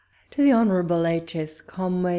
To THE Hon. II. S. Conway.